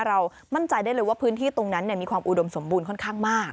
เรามั่นใจได้เลยว่าพื้นที่ตรงนั้นมีความอุดมสมบูรณ์ค่อนข้างมาก